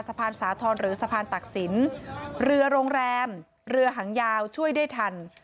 สะพานสาธรณ์หรือสะพานตักศิลป์เรือโรงแรมเรือหางยาวช่วยได้ทัน